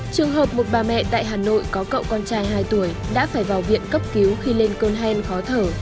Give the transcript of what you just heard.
trường hợp một bà mẹ tại hà nội có cậu con trai hai tuổi đã phải vào viện cấp cứu khi lên cơn hen khó thở